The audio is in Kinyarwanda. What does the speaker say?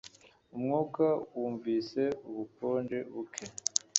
Umwuka wumvise ubukonje buke